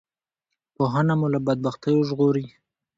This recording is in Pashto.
پوهنه مو له بدبختیو ژغوری